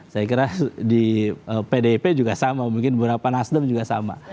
saya kira di pdip juga sama mungkin beberapa nasdem juga sama